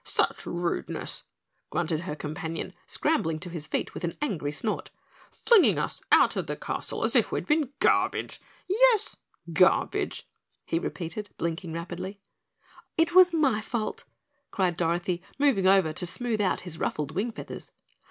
"Such rudeness!" grunted her companion, scrambling to his feet with an angry snort. "Flinging us out of her castle as if we'd been garbage. Yes, garbage," he repeated, winking rapidly. "It was my fault," cried Dorothy, moving over to smooth out his ruffled wing feathers.